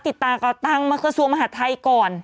ติดตากับทางมหาดไทยก่อน